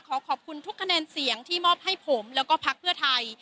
ขอขอบคุณทุกคะแนนเสียงที่มอบให้ผมแล้วก็พักเพื่อไทย